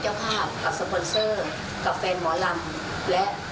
สื่อพัฒนธรรมของคนอีสานสื่อไปก็ไม่ลงอย่างแน่นอนค่ะ